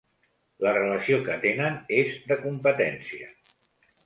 La relació que tenen és de competència.